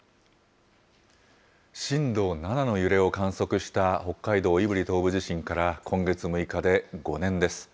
震度７の揺れを観測した北海道胆振東部地震から今月６日で５年です。